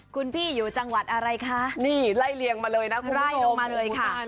คุณพี่อยู่จังหวัดอะไรคะนี่ไล่เลียงมาเลยนะคุณไล่ลงมาเลยค่ะ